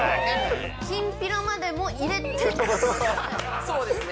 きんぴらまでも入れてってことですよね。